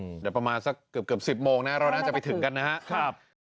เดี๋ยวประมาณสักเกือบ๑๐โมงนะเราน่าจะไปถึงกันนะครับ